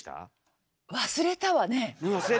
忘れたわね。